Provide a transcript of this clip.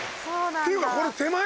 っていうかこれ手前？